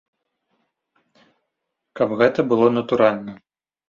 Каб гэта было натуральна.